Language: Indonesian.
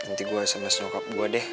nanti gue sms bokap gue deh